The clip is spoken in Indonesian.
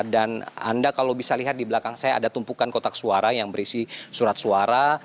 dan anda kalau bisa lihat di belakang saya ada tumpukan kotak suara yang berisi surat suara